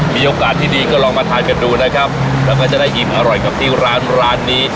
มีโอกาสที่ดีก็ลองมาทานกันดูนะครับแล้วก็จะได้อิ่มอร่อยกับที่ร้านร้านนี้